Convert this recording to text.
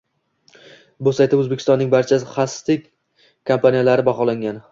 Bu saytda o’zbekistonning barcha hosting kompaniyalari baholangan